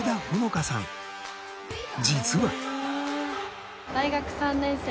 実は。